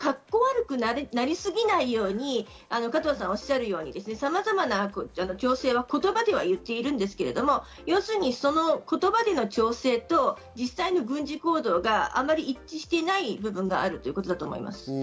一応、格好悪くなりすぎないように、加藤さんおっしゃるように、さまざまなことを言葉では言っているんですけれども、要するに言葉での調整と実際の軍事行動があまり一致していない部分があるということだと思います。